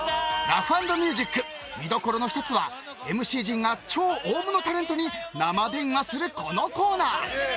ラフ＆ミュージック見どころの１つはＭＣ陣が超大物ゲストに生電話するこのコーナー。